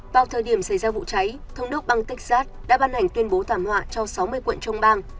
vào thời điểm xảy ra vụ cháy thống đốc bang texas đã ban hành tuyên bố thảm họa cho sáu mươi quận trong bang